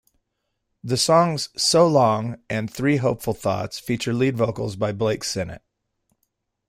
The songs "So Long" and "Three Hopeful Thoughts" feature lead vocals by Blake Sennett.